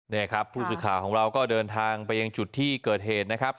นี่ครับผู้สื่อข่าวของเราก็เดินทางไปยังจุดที่เกิดเหตุนะครับ